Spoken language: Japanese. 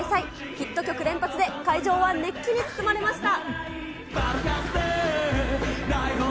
ヒット曲連発で会場は熱気に包まれました。